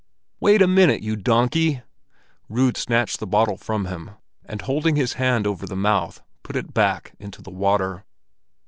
"Wait a minute, you donkey!" Rud snatched the bottle from him, and holding his hand over the mouth, put it back, into the water.